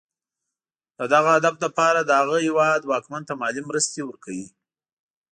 د دغه هدف لپاره د هغه هېواد واکمن ته مالي مرستې ورکوي.